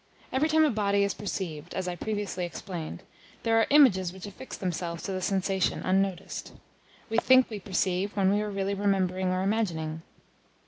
Every time a body is perceived, as I previously explained, there are images which affix themselves to the sensation unnoticed. We think we perceive when we are really remembering or imagining.